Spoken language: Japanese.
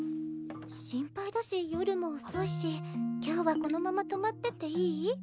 心配だし夜も遅いし今日はこのまま泊まってっていい？